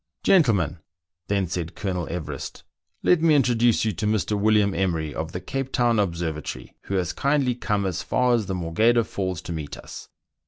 " Gentlemen," then said Colonel Everest, " let me intro duce you to Mr. William Emery, of the Cape Town Obser vatory, who has kindly come as far as the Morgheda Falls to meet us."